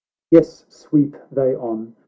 Yes, sweep they on !